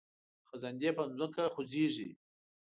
خزندې په ځمکه خوځیږي